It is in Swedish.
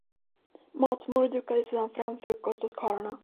Matmor dukade sedan fram frukost åt karlarna.